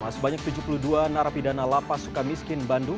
sebanyak tujuh puluh dua narapidana lapas suka miskin bandung